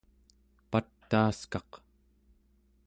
pataaskaq